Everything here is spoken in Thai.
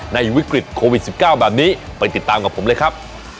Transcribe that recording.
วิกฤตโควิด๑๙แบบนี้ไปติดตามกับผมเลยครับ